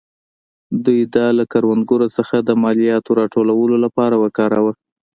دوی دا له کروندګرو څخه د مالیاتو راټولولو لپاره وکاراوه.